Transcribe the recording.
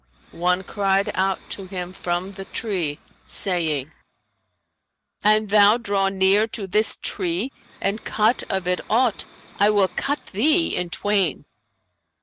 one cried out to him from the tree, saying, 'An thou draw near to this tree and cut of it aught, I will cut thee in twain.'